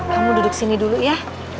kamu duduk sini dulu ya